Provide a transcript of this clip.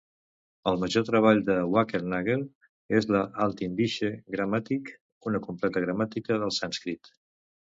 El major treball de Wackernagel és la "Altindische Grammatik", una completa gramàtica del sànscrit.